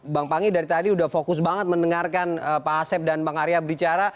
bang pangi dari tadi udah fokus banget mendengarkan pak asep dan bang arya berbicara